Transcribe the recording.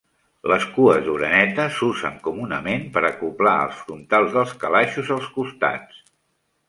Les cues d'oreneta s'usen comunament per acoblar els frontals dels calaixos als costats.